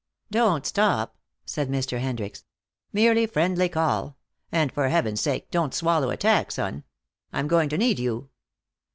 "Don't stop," said Mr. Hendricks. "Merely friendly call. And for heaven's sake don't swallow a tack, son. I'm going to need you."